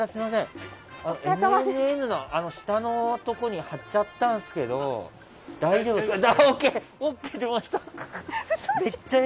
ＮＮＮの下のところに貼っちゃったんですけど大丈夫ですか。